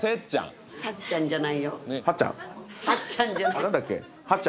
「はっちゃん」じゃない。